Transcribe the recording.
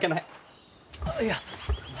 あっいや。